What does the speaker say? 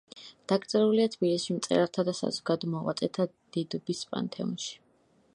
დაკრძალულია თბილისში მწერალთა და საზოგადო მოღვაწეთა დიდუბის პანთეონში.